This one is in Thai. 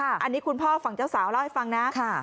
อันนี้คุณพ่อฝั่งเจ้าสาวเล่าให้ฟังนะ